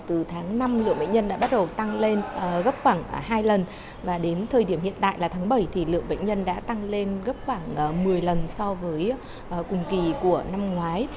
trong thời điểm hiện tại là tháng bảy lượng bệnh nhân đã tăng lên gấp khoảng một mươi lần so với cùng kỳ của năm ngoái